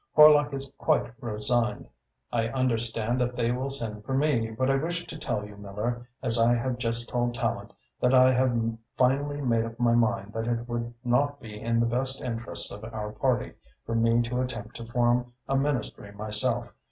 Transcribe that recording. Horlock is quite resigned. I understand that they will send for me, but I wish to tell you, Miller, as I have just told Tallente, that I have finally made up my mind that it would not be in the best interests of our party for me to attempt to form a Ministry myself.